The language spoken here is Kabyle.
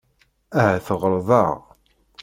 Ahat ɣelḍeɣ.